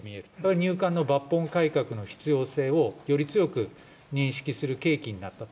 入管の抜本改革の必要性をより強く認識する契機になったと。